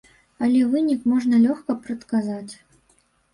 Але вынік можна лёгка прадказаць.